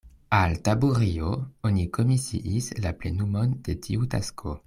Al Taburio oni komisiis la plenumon de tiu tasko.